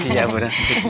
iya bu ranti